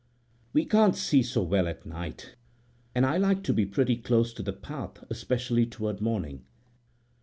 "We can't see so well at night, and I like to be pretty close to the path, especially toward morning."